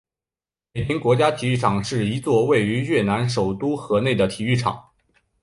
美亭国家体育场是一座位于越南首都河内的体育场。